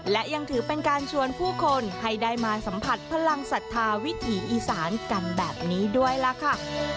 และยังถือเป็นการชวนผู้คนให้ได้มาสัมผัสพลังศรัทธาวิถีอีสานกันแบบนี้ด้วยล่ะค่ะ